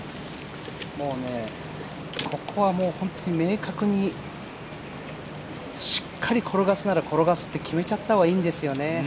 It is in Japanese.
ここは本当に明確にしっかり転がすなら転がすって決めちゃった方がいいんですよね。